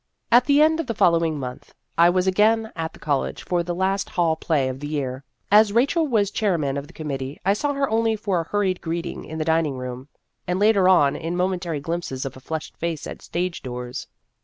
At the end of the following month, I was again at the college for the last hall play of the year. As Rachel was chair man of the committee, I saw her only for a hurried greeting in the dining room, and later on in momentary glimpses of a flushed face at stage doors.